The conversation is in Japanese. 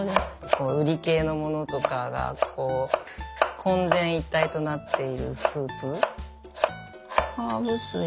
こううり系のものとかがこう混然一体となっているスープ。